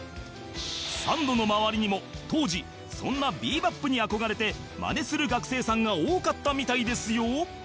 サンドの周りにも当時そんな『ビー・バップ』に憧れてマネする学生さんが多かったみたいですよ